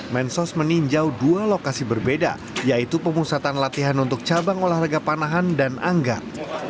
mensos meninjau dua lokasi berbeda yaitu pemusatan latihan untuk cabang olahraga panahan dan anggar